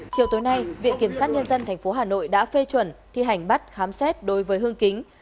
chiều tối nay viện kiểm sát nhân dân thành phố hà nội đã phê chuẩn thi hành bắt khám xét đối với hưng kính